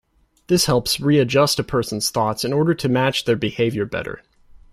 This helps readjust a person's thoughts in order to match their behavior better.